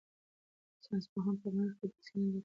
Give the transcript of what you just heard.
ساینس پوهان په مریخ کې د اکسیجن په لټه کې دي.